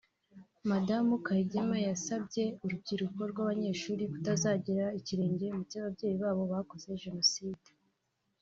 Madamu Kayigema yasabye urubyiruko rw’abanyeshuri kutazagera ikirenge mu cy’ababyeyi babo bakoze Jenoside